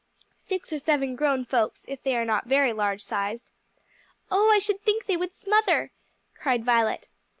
"Six or seven grown folks, if they are not very large sized." "Oh, I should think they would smother!" cried Violet.